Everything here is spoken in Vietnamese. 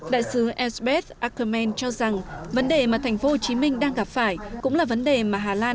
đại sứ elsbeth ackerman cho rằng vấn đề mà tp hcm đang gặp phải cũng là vấn đề mà hà lan